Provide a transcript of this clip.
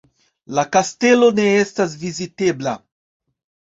La kastelo ne estas vizitebla.